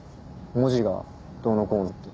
文字がどうのこうのって。